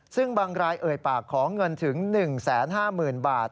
ซึ่งบางรายเอ่ยปากขอเงินถึง๑๕๐๐๐บาท